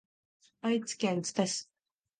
愛知県知多市